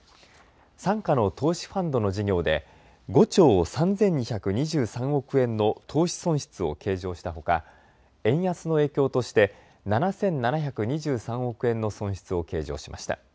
傘下の投資ファンドの事業で５兆３２２３億円の投資損失を計上したほか、円安の影響として７７２３億円の損失を計上しました。